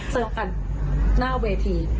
เซลล์กันหน้าเวที